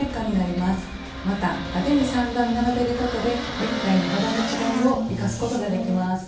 また縦に３段並べることでネクタイの幅の違いを生かすことができます。